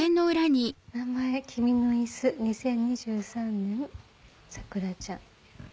「名前君の椅子２０２３年さくらちゃん」。